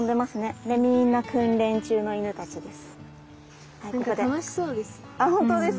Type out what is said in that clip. あれみんな訓練中の犬たちです。